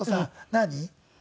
何？